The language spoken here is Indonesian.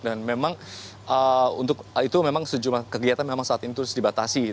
dan memang itu memang sejumlah kegiatan memang saat ini terus dibatasi